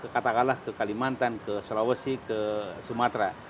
katakanlah ke kalimantan ke sulawesi ke sumatera